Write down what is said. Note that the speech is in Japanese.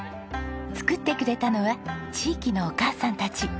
作ってくれたのは地域のお母さんたち。